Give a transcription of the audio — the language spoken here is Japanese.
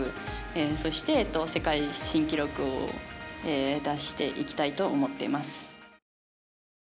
そして、世界新記録を出していきたいと思っています。